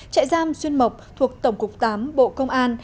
trại giam xuyên mộc thuộc tổng cục tám bộ công an